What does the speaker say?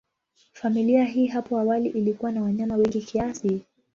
Familia hii hapo awali ilikuwa na wanyama wengi kiasi.